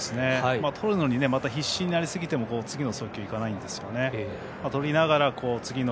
とるのに必死になりすぎても次にいかないんですね。